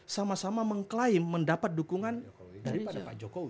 sama sama mengklaim mendapat dukungan dari jokowi